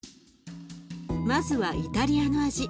まずはイタリアの味。